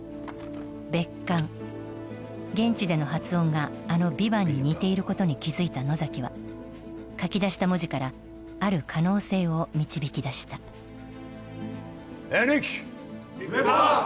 別館現地での発音があの「ヴィヴァン」に似ていることに気づいた野崎は書き出した文字から「ある可能性」を導き出したヴィパァン